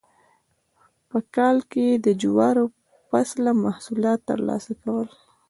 په کال کې یې د جوارو فصله محصولات ترلاسه کول.